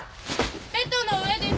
ベッドの上です。